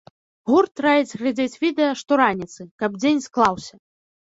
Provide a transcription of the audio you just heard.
Гурт раіць глядзець відэа штораніцы, каб дзень склаўся!